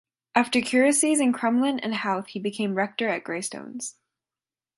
After curacies in Crumlin and Howth he became Rector at Greystones.